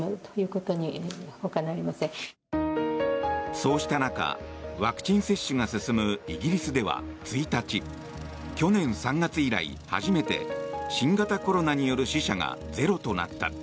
そうした中ワクチン接種が進むイギリスでは１日、去年３月以来初めて新型コロナによる死者がゼロとなった。